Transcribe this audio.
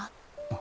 あ。